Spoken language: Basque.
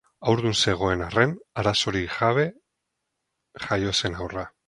Haurdun zegoen arren arazorik jabe jaio zen haurra.